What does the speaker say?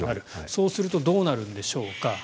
そうするとどうなるんでしょうか。